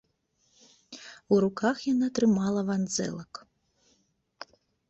У руках яна трымала вандзэлак.